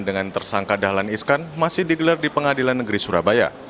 dengan tersangka dahlan iskan masih digelar di pengadilan negeri surabaya